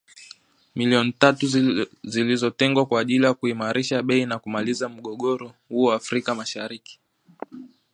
Milioni tatu zilizotengwa kwa ajili ya kuimarisha bei na kumaliza mgogoro huo Afrika Masharik